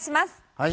はい。